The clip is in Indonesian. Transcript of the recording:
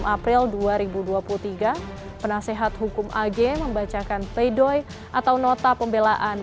enam april dua ribu dua puluh tiga penasehat hukum ag membacakan pleidoy atau nota pembelaan